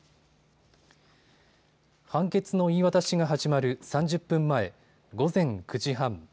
判決の言い渡しが始まる３０分前、午前９時半。